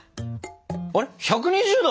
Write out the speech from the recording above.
あれ１２０℃？